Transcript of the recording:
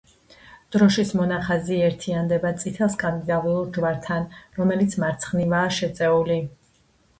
დროშის მონახაზი ერთიანდება წითელ სკანდინავიურ ჯვართან, რომელიც მარცხნივაა შეწეული.